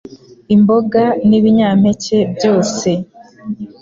imboga, ni binyampeke byose